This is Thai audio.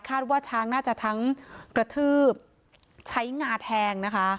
ว่าช้างน่าจะทั้งกระทืบใช้งาแทงนะคะ